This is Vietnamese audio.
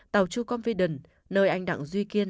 tàu choconfident nơi anh đặng duyên